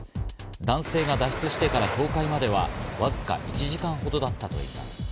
男性が脱出してから倒壊まではわずか１時間ほどだったといいます。